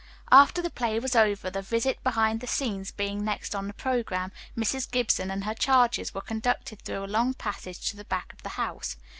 After the play was over, the visit behind the scenes being next on the programme, Mrs. Gibson and her charges were conducted through a long passage to the back of the house.